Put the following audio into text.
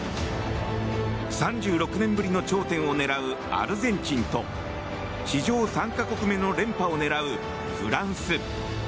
３６年ぶりの頂点を狙うアルゼンチンと史上３か国目の連覇を狙うフランス。